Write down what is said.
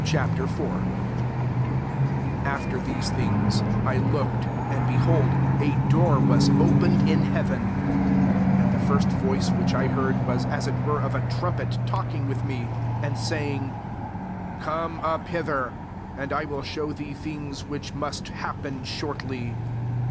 IV. 1 After these things I looked, and, behold, a door was opened in heaven : and the first voice which I heard wa9 as it were of a trumpet talking with me, and saying, "Come up hither, and I will show thee things which must happen shortly."